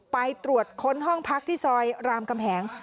ไปตรวจค้นห้องพักที่ซอยรามกำแหง